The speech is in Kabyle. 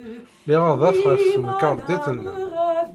Liɣ adaf ɣer temkarḍit-nnem.